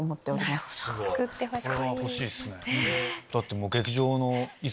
すごい！これは欲しいっすね。